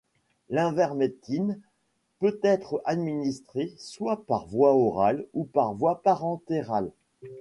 L’ivermectine peut être administrée soit par voie orale ou par voie parentérale.